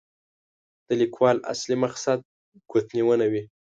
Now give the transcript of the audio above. د لیکوال اصلي مقصد ګوتنیونه وي.